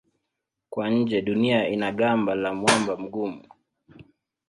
Kwa nje Dunia ina gamba la mwamba mgumu.